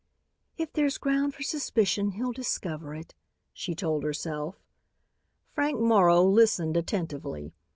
"If there's ground for suspicion, he'll discover it," she told herself. Frank Morrow listened attentively.